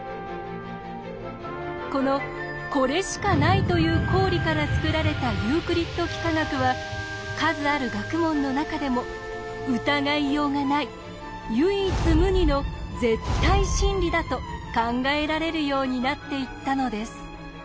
この「これしかない」という公理から作られたユークリッド幾何学は数ある学問の中でも「疑いようがない唯一無二の絶対真理」だと考えられるようになっていったのです。